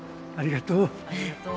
ありがとう。